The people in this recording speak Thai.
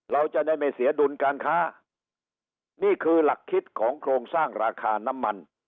เราจะได้ไม่เสียดุลการค้านี่คือหลักคิดของโครงสร้างราคาน้ำมัน